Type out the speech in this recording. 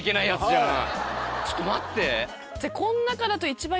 ちょっと待って。